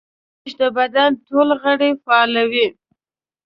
ورزش د بدن ټول غړي فعالوي.